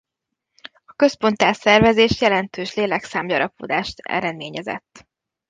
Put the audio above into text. A központtá szervezést jelentős lélekszám-gyarapodást eredményezett.